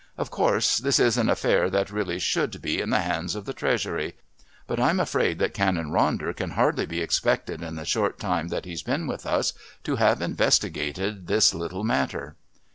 Of course, this is an affair that really should be in the hands of the Treasury. But I'm afraid that Canon Ronder can hardly be expected in the short time that he's been with us to have investigated this little matter."